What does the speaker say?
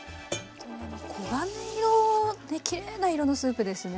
黄金色できれいな色のスープですね。